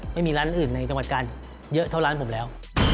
ไม่มีร้านอื่นในจังหวัดกาลเยอะเท่าร้านผมแล้ว